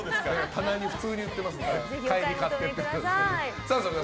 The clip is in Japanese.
棚に普通に売っていますので帰りに買っていってください。